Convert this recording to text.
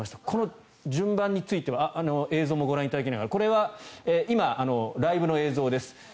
この順番については映像もご覧いただきながらこれは今、ライブの映像です。